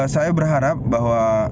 saya berharap bahwa